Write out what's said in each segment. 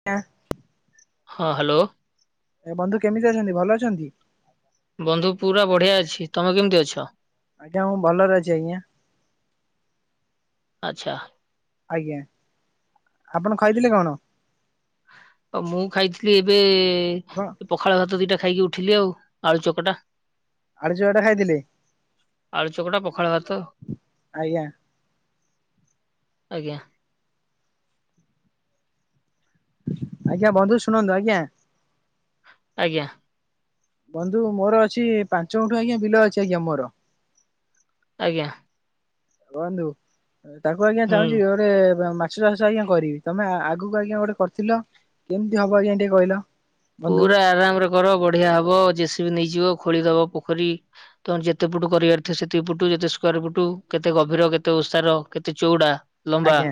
[unintelligible] ହଁ ହାଲୋ। ଏ ବନ୍ଧୁ କେମିତି ଅଛନ୍ତି ଭଲ ଅଛନ୍ତି। ବନ୍ଧୁ ପୁରା ବଢିଆ ଅଛି। ତମେ କେମିତି ଅଛ? ଆଜ୍ଞା ମୁଁ ଭଲରେ ଅଛି ଆଜ୍ଞା। ଆଚ୍ଛା। ଆଜ୍ଞା ଆପଣ ଖାଇଥିଲେ କଣ? ଆ ମୁଁ ଖାଇଥିଲି ଏବେ ଆପଣ ପଖାଳ ଭାତ ଦିଇଟା ଖାଇକି ଉଠିଲି ଆଉ ଆଳୁ ଚକଟା। ଆଳୁ ଚକଟା ଖାଇଥିଲେ? ଆଳୁ ଚକଟା ପଖାଳ ଭାତ। ଆଜ୍ଞା ଆଜ୍ଞା। ଆଜ୍ଞା ବନ୍ଧୁ ଶୁଣନ୍ତୁ ଆଜ୍ଞା। ଆଜ୍ଞା। ବନ୍ଧୁ ମୋର ଅଛି ପାଞ୍ଚ ଗୁଣ୍ଠୁ ଆଜ୍ଞା ବିଲ ଅଛି ଆଜ୍ଞା ମୋର। ଆଜ୍ଞା। ବନ୍ଧୁ ତାକୁ ଆଜ୍ଞା ହୁଁ ଚାହୁଁଛି ଗୋଟେ ମାଛ ଚାଷ ଆଜ୍ଞା କରିବି ତମେ ଆ ଆଗକୁ ଆଜ୍ଞା ଗୋଟେ କରିଥିଲ? କେମିତି ହବ ଆଜ୍ଞା ଟିକେ କହିଲ? ବନ୍ଧୁ ପୁରା ଆରାମରେ କର ବଢିଆ ହବ ଜେସିବି ନେଇଯିବ ଖୋଳିଦବ ପୋଖରୀ। ତମର ଯେତେ ଫୁଟୁ କରିବାର ଥିବ ସେତିକି ଫୁଟୁ ଯେତେ ସ୍କୋୟାର ଫୁଟୁ କେତେ ଗଭୀର କେତେ ଓଷାର କେତେ ଚଉଡା? ଲମ୍ବା, ଆଜ୍ଞା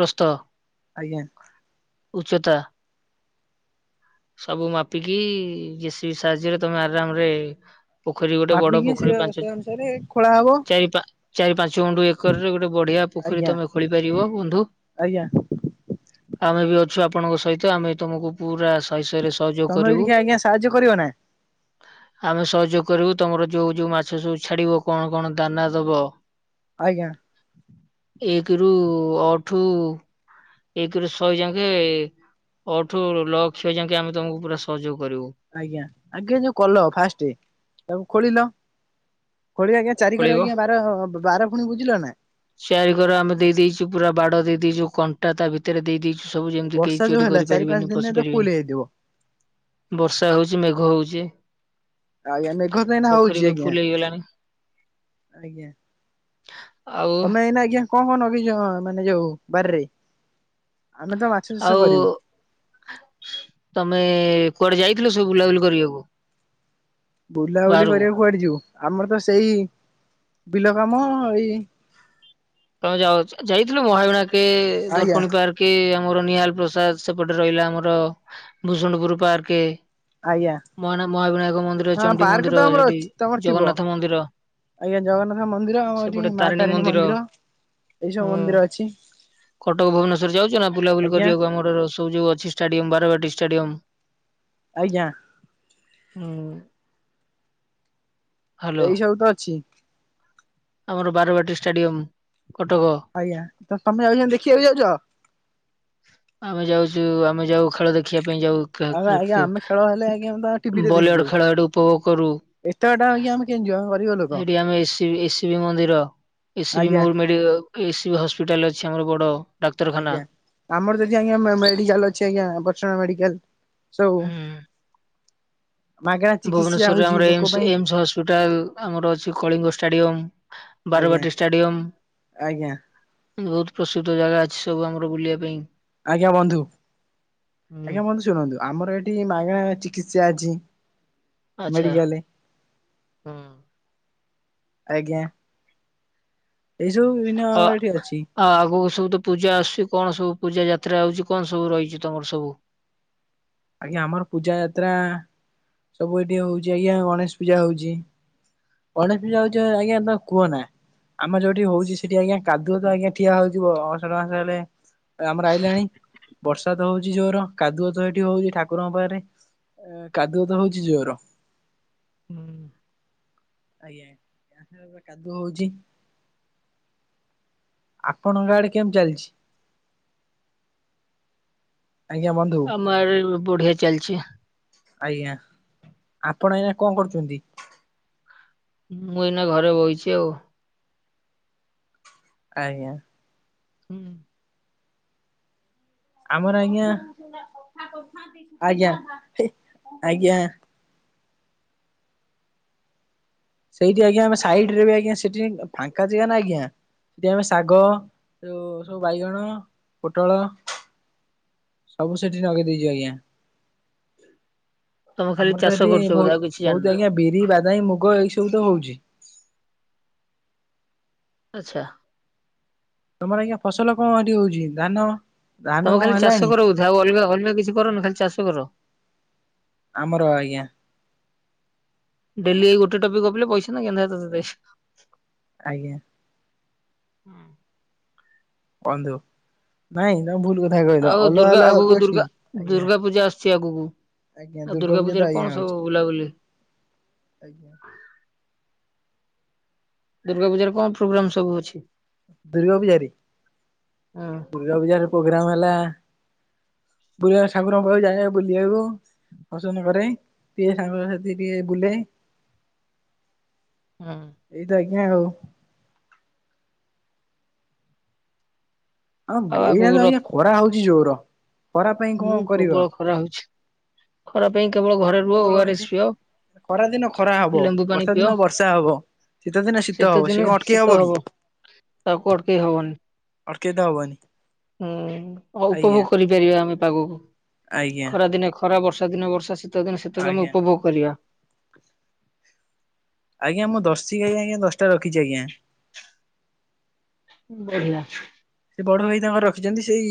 ପ୍ରସ୍ଥ, ଆଜ୍ଞା। ଉଚ୍ଚତା। ସବୁ ମାପିକି ଜେସିବି ସାହାଯ୍ୟରେ ତମେ ଆରାମରେ ପୋଖରୀ ଗୋଟେ ବଡ ମାପିକି ସେ ପୋଖରୀ ସେ ପାଞ୍ଚ ଅନୁସାରେ ଖୋଳା ହବ। ଚାରି ପା ଚାରି ପାଞ୍ଚ ଗୁଣ୍ଡୁ ଏକରର ଗୋଟେ ବଢିଆ ପୋଖରୀ ଆଜ୍ଞା ତମେ ଖୋଳି ପାରିବ ବନ୍ଧୁ। ଆଜ୍ଞା। ଆମେ ବି ଅଛୁ ଆପଣଙ୍କ ସହିତ ଆମେ ତମକୁ ପୁରା ଶହେ ଶହେରେ ସହଯୋଗ ତମେ ବି କରିବୁ। ଟିକେ ଆଜ୍ଞା ସାହାଯ୍ୟ କରିବ ନା ଆମେ ସହଯୋଗ କରିବୁ ତମର ଯୋଉ ଯୋଉ ମାଛ ସବୁ ଛାଡିବ କଣ କଣ ଦାନା ଦବ? ଆଜ୍ଞା। ଏକ ରୁ ଅ ଠୁ ଏକରୁ ଶହେ ଯାଙ୍କେ ଅ ଠୁ ଲ, କ୍ଷ ଯାଙ୍କେ ଆମେ ତମକୁ ପୁରା ସହଯୋଗ କରିବୁ। ଆଜ୍ଞା ଆଜ୍ଞା ଯୋଉ କଲ ଫାଷ୍ଟେ ତାକୁ ଖୋଳିଲ ଖୋଳିବା କେ ଚାରି ଖୋଳିବ। କର ଆଜ୍ଞା ବାର ବାର ପୁଣି ବୁଜିଲ ନା? ଚାରି କର ଆମେ ଦେଇଦେଇଚୁ ପୁରା ବାଡ ଦେଇ ଦେଇଚୁ କନ୍ ଣ୍ଟା ତା ଭିତରେ ଦେଇଦେଇଛୁ ସବୁ ଯେମିତି ବର୍ଷା କେହି ଯୋଉ ଚୋରି ହେଲା କରି ଚାରି ପାଞ୍ଚ ପାରିବେନି ଦିନରେ ପଶି ତ ଫୁଲ ପାରିବେନି। ହେଇଥିବ। ବର୍ଷା ହଉଛି ମେଘ ହଉଚି। ଆଜ୍ଞା, ମେଘ ତ ଏଇନା ହଉଚି ଆଜ୍ଞା ଫୁଲ ହେଇଗଲାଣି। ଆଜ୍ଞା। ଆଉ ତମେ ଏଇନା ଆଜ୍ଞା କଣ କଣ ନଗେଇଚ ମାନେ ଯୋଉ ବାରିରେ? ଆମେ ତ ମାଛ ଚାଷ ଆଉ କରିବୁ ତମେ କୁଆଡେ ଯାଇଥିଲ ସବୁ ବୁଲାବୁଲି କରିବାକୁ? ବୁଲାବୁଲି ବାହାରକୁ? କରିବାକୁ କୁଆଡେ ଯିବୁ ଆମର ତ ସେଇ ବିଲ କାମ ଏଇ ତମେ ଯାଉଚ ଯାଇଥିଲ ମହାବିଣା କେ ଆଜ୍ଞା ଦର୍ପଣୀ ପାର୍କ। କେ ଆମର ନିହାଲ ପ୍ରସାଦ ସେପଟେ ରହିଲା ଆମର ଭୂଷଣପୁର ପର୍କେ। ଆଜ୍ଞା ମହାନ ମହାବିନାୟକ ମନ୍ଦିର, ହଁ ଚଣ୍ଡୀ ପାର୍କ ତ ମନ୍ଦିର ଆମର ସେଠି ଅଛି ତମର ଥିବ। ଜଗନ୍ନାଥ ମନ୍ଦିର। ଆଜ୍ଞା ଜଗନ୍ନାଥ ମନ୍ଦିର ଏଠି ମା ତାରିଣୀ ମନ୍ଦିର। ଏଇ ସବୁ ହୁଁ ମନ୍ଦିର ଅଛି କଟକ, ଭୁବନେଶ୍ବର ଯାଉଚ ନା ବୁଲାବୁଲି ଆଜ୍ଞା। କରିଆକୁ ଆମର ରସୁ ଯୋଉ ଅଛି ଷ୍ଟାଡିୟମ ବାରବାଟୀ ଷ୍ଟାଡିୟମ। ଆଜ୍ଞା। ଉଁ, ହାଲୋ। ଏଇ ସବୁ ତ ଅଛି ଆମର ବାରବାଟୀ ଷ୍ଟାଡିୟମ କଟକ। ଆଜ୍ଞା, ତ ତମେ ଅଇକା ଦେଖିଆକୁ ଯାଉଚ? ଆମେ ଯାଉଚୁ, ଆମେ ଯାଉ ଖେଳ ଦେଖିଆ ପାଇଁ ଯାଉ। ଆମେ ଆଜ୍ଞା ଆମେ ଖେଳ ହେଲେ ଆଜ୍ଞା ଆମେ ତ ଟିଭିରେ [inaudible] ବଲିଓଡ ଦେଖିଦଉ। ଖେଳ ସେଡୁ ଉପଭୋଗ କରୁ। ଏତେ ବାଟ ଆଜ୍ଞା ଆମେ କେମିତି ଯିବୁ ଆମେ ଗରିବ ଲୋକ ସେଇଠି ଆମେ ଏସିବି ଏସିବି ମନ୍ଦିର ଏସିବି ଆଜ୍ଞା ମୋର ମେଡିଆ ଏସିବି ହସ୍ପିଟାଲ ଅଛି ଆମର ବଡ। ଡାକ୍ତରଖାନା ଆଜ୍ଞା, ଆମର ଯଦି ଆଜ୍ଞା ମେ ମେଡିକାଲ ଅଛି ଆଜ୍ଞା ଭର୍ଷଣା ମେଡିକାଲ। ସବୁ ହୁଁ। ମାଗଣା ଚିକିତ୍ସା ଭୁବନେଶ୍ୱରରେ ହଉଛି ଆମର ଲୋକ ଏମ୍ସ ପାଇଁ ଏମ୍ସ ହସ୍ପିଟାଲ, ଆମର ଅଛି କଳିଙ୍ଗ ଷ୍ଟାଡିୟମ। ଆଜ୍ଞା ବାରବାଟି ଷ୍ଟାଡିୟମ। ଆଜ୍ଞା। ବହୁତ ପ୍ରସିଦ୍ଧ ଜାଗା ଅଛି ସବୁ ଆମର ବୁଲିବା ପାଇଁ। ଆଜ୍ଞା ବନ୍ଧୁ ହୁଁ ଆଜ୍ଞା ବନ୍ଧୁ ଶୁଣନ୍ତୁ, ଆମର ଏଠି ମାଗଣା ଚିକିତ୍ସା ଅଛି। ଆଚ୍ଛା ମେଡିକାଲେ ହୁଁ। ଆଜ୍ଞା। ଏଇ ସବୁ ବିଭିନ୍ନ ଆମର ଏଠି ଅଛି। ହଁ ଆଗକୁ ସବୁ ତ ପୂଜା ଆସୁଛି କଣ ସବୁ ପୂଜା ଯାତ୍ରା ହଉଛି କଣ ସବୁ ରହିଛି ତମର ସବୁ? ଆଜ୍ଞା ଆମର ପୂଜା ଯାତ୍ରା ସବୁ ଏଠି ହଉଚି ଆଜ୍ଞା ଗଣେଷ ପୂଜା ହଉଚି। ଗଣେଷ ପୂଜା ହଉଚ ଆଜ୍ଞା ତ କୁହ ନା ଆମର ଯୋଉଠି ହଉଚି ସେଠି ଆଜ୍ଞା କାଦୂଅ ତ ଆଜ୍ଞା ଠିଆ ହଉଥିବ ଅଅଷାଢ ମାସ ହେଲେ। ଏ ଆମର ଆଇଲାଣି ବର୍ଷା ତ ହଉଚି ଜୋର କାଦୁଅ ତ ଏଠି ହଉଚି ଠାକୁରଙ୍କ ପାଖରେ ଏଁ କାଦୁଅତ ହଉଚି ଜୋର। ହୁଁ। ଆଜ୍ଞା କିଏ ଆସିଲା ବେଳକୁ ବା କାଦୁଅ ହଉଚି। ଆପଣଙ୍କ ଆଡେ କେମ୍ ଚାଲିଚି? ଆଜ୍ଞା ବନ୍ଧୁ ମୁଁ ଆରେ ବୁଢେ ଚାଲଚି ଆଜ୍ଞା ଆପଣ ଏଇଣା କଁ କରୁଚନ୍ତି? ମୁଁ ଏଇନା ଘରେ ବଇଚି ଆଉ। ଆଜ୍ଞା। ହୁଁ। ଆମର ଆଜ୍ଞା ଆଜ୍ଞା ଆଜ୍ଞା। ସେଇଠି ଆଜ୍ଞା ଆମେ ସାଇଡ ରେ ବି ଆଜ୍ଞା ସେଠି ଫାଙ୍କା ଯେଗାନା ଆଜ୍ଞା ସେଠି ଆମେ ଶାଗ ସବୁ ବାଇଗଣ ପୋଟଳ ସବୁ ସେଇଠି ନଗେଇଦେଇଚୁ ଆଜ୍ଞା। ତମେ ଖାଲି ଆମର ତ ଚାଷ କରୁଛ ଏଠି ବୋଧେ ବହୁ ଆଉ କିଛି ବହୁତ ଜାଣିନା ଆଜ୍ଞା ବିରି, ବାଦାମୀ, ମୁଗ ଏଇ ସବୁ ତ ହଉଚି। ଆଚ୍ଛା। ତମର ଆଜ୍ଞା ଫସଲ କଁ ହେଠି ହଉଚି ଧାନ? ଧାନ ତମେ କଣ ଖାଲି ଚାଷ ହେଲାଣି କର ବୋଧେ ଆଉ ଅଲଗା ଅଲଗା କିଛି କରନୁ ଖାଲି ଚାଷ କର ଆମର ଆଜ୍ଞା। ଡେଲି ଏଇ ଗୋଟେ ଟପିକ ଗପିଲେ ପଇସା ନା ଗେନ୍ଧା ତତେ ଦେବେ ଆଜ୍ଞା। ବନ୍ଧୁ ନାଇଁ ତମେ ଭୁଲୁ କଥା କହିଲ ଆଉ ଅଲଗା ଦୁର୍ଗା ଅଲଗା ଆଗକୁ ଦୁର୍ଗା [unintelligible] ଆଜ୍ଞା। ଦୁର୍ଗା ପୂଜା ଆସୁଛି ଆଗକୁ ଆଜ୍ଞା ଆଉ ଦୁର୍ଗା ଦୁର୍ଗାପୂଜା ତ ପୂଜାରେ କଣ ଆଜ୍ଞା ସବୁ ହଉଚି ବୁଲାବୁଲି ଆଜ୍ଞା। ଦୁର୍ଗା ପୂଜାରେ କଁ ପ୍ରୋଗ୍ରାମ ସବୁ ଅଛି? ଦୁର୍ଗା ପୂଜାରୀ ହଁ ଆଜ୍ଞା ଦୁର୍ଗା ପୂଜାର ପ୍ରୋଗ୍ରାମ ହେଲା ବୁଲିବା ସାଗୁର [unintelligible] ଯାଏନା ବୁଲିବାକୁ। ଅସନ କରେ କିଏ ସାଙ୍ଗସାଥି ଟିଏ ବୁଲେ। ହୁଁ। ଏଇତ ଆଜ୍ଞା ଆଉ। ଆଉ ଅଗେ ଏଇନା ଆଗକୁ ତ ରଥ ଆଜ୍ଞା ଖରା ହଉଚି ଜୋର ଖରା ପାଇଁ କଁ ହୁଁ କରିବ ପ୍ରବଳ ଖରା ହଉଛି ଖରା ପାଇଁ କେବଳ ଖରା ତ ଘରେ ରୁହ ପ୍ରବଳ ହଉଛି ୱାରେସ ପିଅ। ଖରା ଦିନ ଖରା ହବ ଲେମ୍ବୁ ପାଣି ବର୍ଷା ପିଅ ଦିନ ବର୍ଷା ହବ ଶୀତ ଦିନେ ଶୀତ ହବ ସେ କଁ ଅଟକେଇ ହବ କି। ତାକୁ ଅଟକେଇ ହବନି। ଅଟକେଇ ତ ହବନି। ହୁଁ ବ ଉପଭୋଗ ଆଜ୍ଞା କରିପାରିବା ଆମେ ପାଗକୁ ଆଜ୍ଞା। ଖରାଦିନେ ଖରା ବର୍ଷା ଦିନ ବର୍ଷା ଶୀତ ଦିନେ ଶୀତକୁ ଆମେ ଆଜ୍ଞା ଉପଭୋଗ କରିବା। ଆଜ୍ଞା ମୁଁ ଦର୍ସିଗାଈ ଆଜ୍ଞା ଦଶଟା ରଖିଚି ଆଜ୍ଞା। ବଢିଆ। ସେ ବଡ ଭାଇ ତାଙ୍କର ରଖିଚନ୍ତି ସେଇ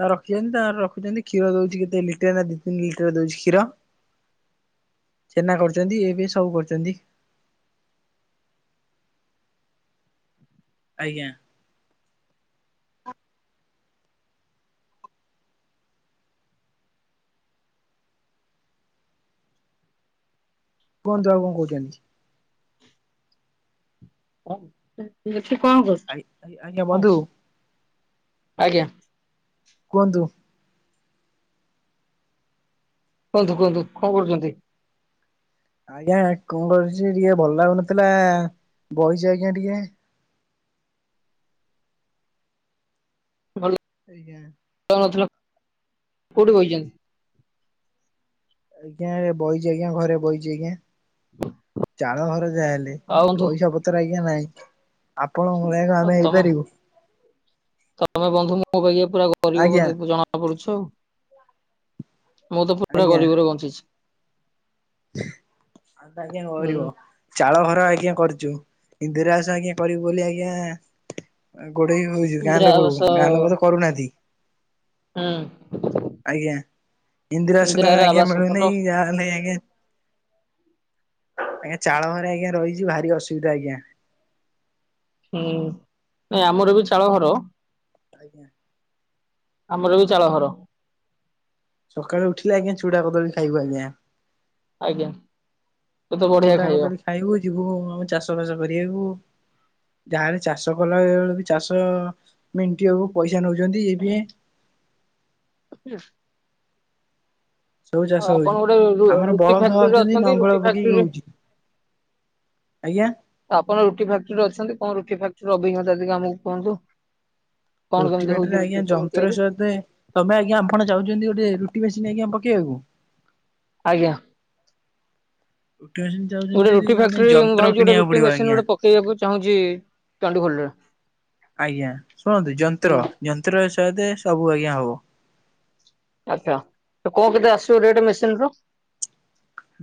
ତା ରଖିଚନ୍ତି ତାଙ୍କର ରଖୁଚନ୍ତି କ୍ଷୀର ଦଉଚି କେତେ ଲିଟର ନା ଦି ତିନି ଲିଟର ଦଉଚି ଷୀର। ଛେନା କରୁଚନ୍ତି ଇଏ ଫିଏ ସବୁ କରୁଚନ୍ତି। ଆଜ୍ଞା। କୁହନ୍ତୁ ଆଉ କଣ କହୁଛନ୍ତି? ହଉ ଠିକ ଅଛି କଣ କରଛ [unintelligible] ଆ ଆଜ୍ଞା ବନ୍ଧୁ? ଆଜ୍ଞା। କୁହନ୍ତୁ। କୁହନ୍ତୁ କୁହନ୍ତୁ କଣ କରୁଛନ୍ତି? ଆଜ୍ଞା କଣ କରୁଛି ଟିକେ ଭଲ ଲାଗୁନଥିଲା ବହିଛି ଆଜ୍ଞା ଟିକେ। ଭଲ [inaudible] ଆଜ୍ଞା। କୋଉଠି ବଇଛନ୍ତି? ଆଜ୍ଞା ବଇଛି ଆଜ୍ଞା ଘରେ ବଇଛି ଆଜ୍ଞା। ଚାଳ ଘର ଜା ହେଲେ ଆଉ ବନ୍ଧୁ ପଇସା ପତ୍ର ଆଜ୍ଞା ନାଇଁ। ଆପଣଙ୍କ ଭଳିକୁ ଆଉ ଆମେ ତମ ହେଇପାରିବୁ। ତମେ ବନ୍ଧୁ ମୋ ପାଇଁ ପୁରା ଗରିବ ଆଜ୍ଞା। ବ ଜଣା ପଡୁଛ ଆଉ ମୁ ତ ପୁରା ଆଜ୍ଞା ଗରିିବରେ ବଞ୍ଚିଛି। ଆଜ୍ଞା ଗରିବ ହୁଁ ଚାଳ ଘର ଆଜ୍ଞା କରିୁଛୁ ଇନ୍ଦିରାବାସ ଆଜ୍ଞା କରିବୁ ବୋଲି ଆଜ୍ଞା ଗୋଡେଇ ହଉଛି ଗାଁ ଇନ୍ଦିରା ଆବାସ ଲୋକକୁ ଗାଁ ଲୋକ ତ କରୁନାହାନ୍ତି। ହଁ। ଆଜ୍ଞା ଇନ୍ଦିରାବାସ ସୁଦ୍ଧା ଇନ୍ଦିରାର ଆଜ୍ଞା ଆବାସ ଘର ମିଳୁନି ଯାହାହଲେ ଆଜ୍ଞା ଆଜ୍ଞା ଚାଳଘରେ ଆଜ୍ଞା ରହିଛି ଭାରି ଅସୁବିଧା ଆଜ୍ଞା। ହୁଁ ନାଇଁ ଆମର ବି ଚାଳ ଘର। ଆଜ୍ଞା। ଆମର ବି ଚାଳ ଘର। ସକାଳେ ଉଠିଲେ ଆଜ୍ଞା ଚୁଡ଼ା କଦଳି ଖାଇବୁ ଆଜ୍ଞା। ଆଜ୍ଞା ଏତେ ବଢିଆ ଚୁଡ଼ା ଖାଇବା। କଦଳୀ ଖାଇବୁ ଯିବୁ ଆମେ ଚାଷ ବାସ କରବାକୁ। ଗାଁ ରେ ଚାଷ କଲା ବେଳକୁ ବି ଚାଷ ମେଣ୍ଟି ହେବ ପଇସା ନଉଛନ୍ତି ବି। [inaudible] ସବୁ ଚାଷ ଆଉ ହଉଛି। ଆପଣ ଗୋଟେ ଆମର ରୁଟି ବଳଦ ଫ୍ୟାକ୍ଟିଟିରେ ହଉଛନ୍ତି ଅଛନ୍ତି ନଙ୍ଗଳ ରୁଟି ପକେଇକି ଫ୍ୟାକ୍ଟିଟିରେ ହଉଛି ଆଜ୍ଞା ଆପଣ ରୁଟି ଫାକ୍ଟ୍ରିରେ ଅଛନ୍ତି କଣ ରୁଟି ଫ୍ୟକ୍ଟିର ଅଭିଜ୍ଞତା ଟିକେ ଆମକୁ କୁହନ୍ତୁ? କଣ ରୁଟି କେମିତି ହଉଛି ଫ୍ୟାକ୍ଟିରେ ରୁଟି ଆଜ୍ଞା ସବୁ ଯନ୍ତ୍ର ତିଆରି? ସ ଦେ ତମେ ଆଞା ଆପଣ ଚାହୁଛନ୍ତି ଗୋଟେ ରୁଟି ମେସିନ୍ ଆଜ୍ଞା ପକେଇବାକୁ ଆଜ୍ଞା। ରୁଟି ମେସିନ ଚାହୁଛନ୍ତି ଗୋଟେ ଯଦି ରୁଟି ତା ପାଇଁ ଫ୍ୟାକ୍ଟ୍ରିର ମୁଁ ଯନ୍ତ୍ର ଭାବୁଛି ଗୋଟେ କିଣିବାକୁ ରୁଟି ପଡିବ ମେସିନ ଆଜ୍ଞା। ଗୋଟେ ପକେଇବାକୁ ଚାହୁଁଛି। ଚଣ୍ଡୀିଖୋଲରେ ଆଜ୍ଞା ଶୁଣନ୍ତୁ ଯନ୍ତ୍ର ଯନ୍ତ୍ର ସତ ସବୁ ଆଜ୍ଞା ହବ। ଆଚ୍ଛା ତ କଣ କେତେ ଆସିବୁ ରେଟ ମେସିନ ର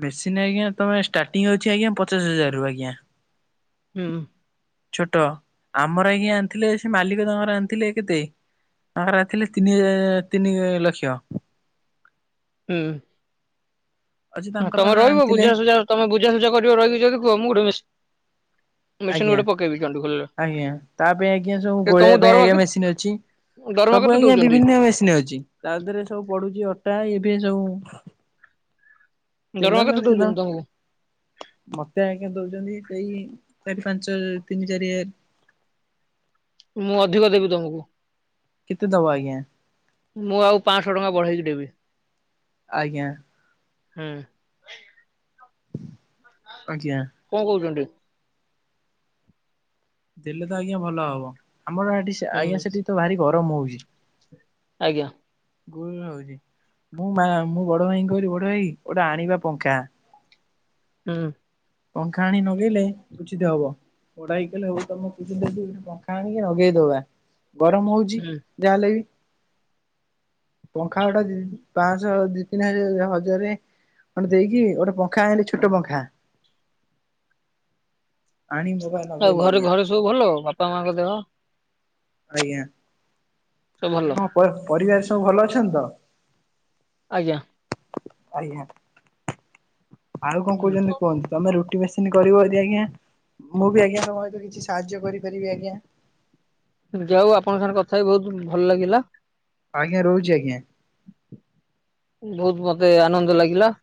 ମେଶସି ନା ଆଜ୍ଞା ତମେ ଷ୍ଟାର୍ଟିଂ ହଉଛି ଆଜ୍ଞା ପଚାଶ ହଜାରରୁ ଆଜ୍ଞା ହୁଁ। ଛୋଟ ଆମର ଆଜ୍ଞା ଆଣିଥିଲେ ସେ ମାଲିକ ତାଙ୍କର ଆଣିଥିଲେ କେତେ ଆଣିଥିଲେ ତିନି ତିନି ଲକ୍ଷ ହୁଁ। ଅଛି ହଁ ତାଙ୍କର ତମେ ତାଙ୍କର ରହିବ ଆଣିଥିଲେ ବୁଝାସୁଝା ତମେ ବୁଝାସୁଝା କରିବ ରହିିକି ଯଦି କୁହ ମୁଁ ଗୋଟେ ମିଶି ମେସିନ୍ ଆଜ୍ଞା। ଗଟେ ପକେଇବି ଜନ୍ ଆଜ୍ଞା ତା ପାଇଁ ଆଜ୍ଞା ସବୁ ତମକୁ ଗୋଳେଇବା ପାଇଁ ଦରମା ଆଜ୍ଞା କେତେ ମେସିନ୍ ଅଛି। ଦରମା ସବୁ କେତେ ଆଜ୍ଞା ଦଉଛନ୍ତି? ବିଭିନ୍ନ ମେସିନ୍ ଅଛି। ତା ଦେହରେ ସବୁ ପଡୁଛି ଅଟା ଇଏ ଫିଏ ସବୁ। ଦରମା କେତେ ତେଲସସିଲ ଦଉଛନ୍ତି ତମକୁ? ମତେ ଆଜ୍ଞା ଦଉଛନ୍ତି ସେଇ ଚାରି ପାଞ୍ଚ ହଜାର ତିନି ଚାରି ହ ମୁଁ ଅଧିକ ଦେବି ତମକୁ। କେତେ ଦବା ଆଜ୍ଞା? ମୁଁ ଆଉ ପାଂଶଟଙ୍କା ବଢେଇକି ଦେବି। ଆଜ୍ଞା। ହୁଁ। ଆଜ୍ଞା। କ କହୁଛନ୍ତି? ଦେଲେ ତ ଆଜ୍ଞା ଭଲ ହବ ଆମର ଏଠି ସେ ଆଜ୍ଞା ହୁଁ ସେଠି ତ ଭାରି ଗରମ ହଉଛି। ଆଜ୍ଞା। ଗୁଲୁମୁଳି ହଉଛି ମୁଁ ମା ମୁଁ ବଡ ଭାଇ ଙ୍କୁ କହିଲି ବଡ ଭାଇ ଗୋଟେ ଆଣିବା ପଙ୍ଖା। ହୁଁ। ପଙ୍ଖା ଆଣି ନଗେଇଲେ ଉଚିତ୍ ହବ। ପଡା ହେଇଲେ ହଉ ତମ କିଛି ଦେ ଏରେ ପଙ୍ଖା ଆଣିକି ଲଗେଇଦବା ଗରମ ହଉଛି। ହୁଁ [unintelligible] ଯାହାଲେ ବି ପଙ୍ଖା ଗୋଟା ପାଂଶ ଦି ତିନି ହଜ ହଜାରେ ଖଣ୍ଡେ ଦେଇକି ଗୋଟେ ପଙ୍ଖା ଆଣିଲି ଛୋଟ ପଙ୍ଖା। ଆଣି ମୋବା ଆଉ ଘରେ ଘରେ ସବୁ ଭଲ ବାପା ମାଙ୍କ ଦେହ? ଆଜ୍ଞା। ସବୁ ଭଲ ଆଜ୍ଞା ହଁ ପ ପରିବାର ସବୁ ଭଲ ଅଛନ୍ତି ତ? ଆଜ୍ଞା। ଆଜ୍ଞା। ଆଉ କଣ କହୁଛନ୍ତି କୁହନ୍ତୁ ତମେ ରୁଟି ମେସିନି କରିବ ଯଦି ଆଜ୍ଞା ମୁଁ ବି ଆଜ୍ଞା ତମ ସାଙ୍ଗରେ କିଛି ସି ସାହାଯ୍ୟ କରିପାରିବି ଆଜ୍ଞା। ଯାଉ ଆପଣଙ୍କ ସାଙ୍ଗେ କଥା ହେଇକି ବହୁତ ଭଲ ଲାଗିଲା। ଆଜ୍ଞା ରହୁଚି ଆଜ୍ଞା। ବହୁତ୍ ମତେ ଆନନ୍ଦ ଲାଗିଲା।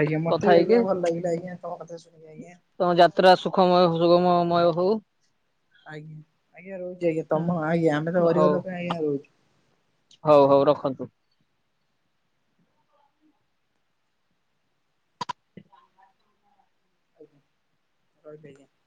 ଆଜ୍ଞା ମତେ କଥା ବି ହେଇକି। ଆଜ୍ଞା ଭଲ ଲାଗିଲା ଆଜ୍ଞା ତମ କଥା ଶୁଣି ଆଜ୍ଞା। ତମ ଯାତ୍ରା ସୁଖମୟ ସୁଗମମୟ ହଉ। ଆଗ୍ ଆଜ୍ଞା ରହୁଛି ଆଜ୍ଞା ତମ ଆଜ୍ଞା ଆମେ ତ ଗରିବ ହଉ ଲୋକ ଆଜ୍ଞା ରହୁଛୁ। ହଉ ହଉ ଆଜ୍ଞା ରଖନ୍ତୁ। [unintelligible]